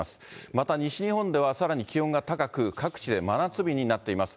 また、西日本ではさらに気温が高く、各地で真夏日になっています。